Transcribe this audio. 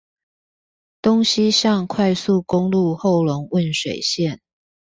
東西向快速公路後龍汶水線